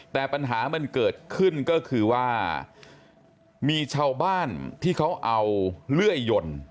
แต่ปัญหามันเกิดขึ้นก็คือว่ามีชาวบ้านที่เขาเอาเลื่อยยนต์